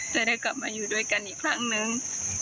และได้กลับมาอยู่ด้วยกันอีกครั้งนึง